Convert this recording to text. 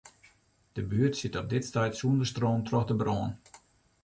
De buert sit op dit stuit sûnder stroom troch de brân.